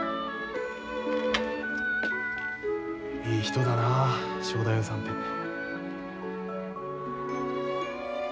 いい人だなあ正太夫さんて。